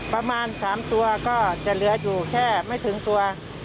ประมาณ๓ตัวก็จะเหลืออยู่แค่ไม่ถึงตัว